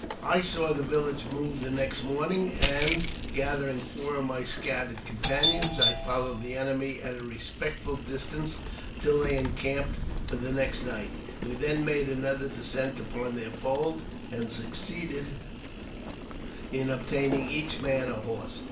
I saw the village move the next morning, and, gathering I ^V AUTOBIOGRAPHY OF JAMES P. BECKWOVRTH. 271 ■^^oiir of my scattered companions, I followed the enemy at a respectful distance mitil they encamped for the next night. We then made another descent upon their fold, and succeeded in obtaining each man a horse.